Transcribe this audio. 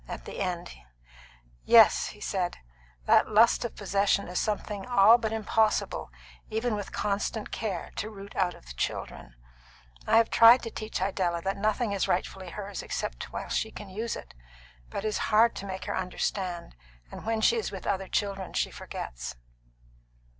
At the end: "Yes," he said, "that lust of possession is something all but impossible, even with constant care, to root out of children. I have tried to teach Idella that nothing is rightfully hers except while she can use it; but it is hard to make her understand, and when she is with other children she forgets."